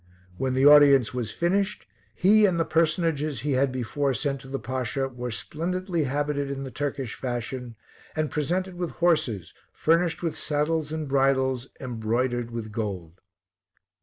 When the audience was finished, he and the personages he had before sent to the Pasha were splendidly habited in the Turkish fashion, and presented with horses, furnished with saddles and bridles embroidered with gold.